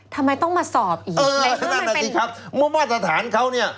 ทำไมต้องมาสอบอีกเออนั่นแหละสิครับเมื่อมาตรฐานเขาเนี่ย